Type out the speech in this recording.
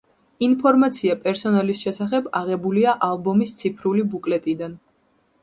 ინფორმაცია პერსონალის შესახებ აღებულია ალბომის ციფრული ბუკლეტიდან.